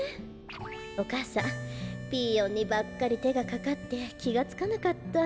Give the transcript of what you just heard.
お母さんピーヨンにばっかりてがかかってきがつかなかった。